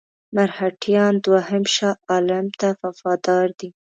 مرهټیان دوهم شاه عالم ته وفادار دي.